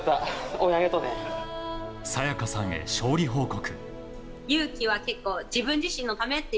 早耶架さんへ勝利報告。